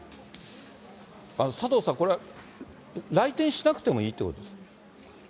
佐藤さん、これは来店しなくてもいいってことですか？